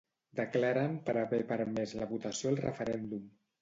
Declaren per haver permès la votació al referèndum.